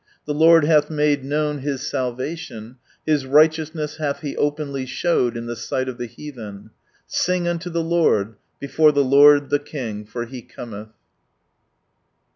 The Lord hath made known I^ salvation, His righteousness hath He openly showed in the sight of the heathen. Sing unto the Lord, before the Lord the King, for He cometh!"